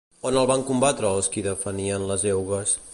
On el van combatre els qui defenien les eugues?